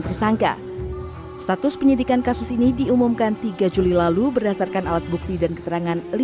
tersangka status penyidikan kasus ini diumumkan tiga juli lalu berdasarkan alat bukti dan keterangan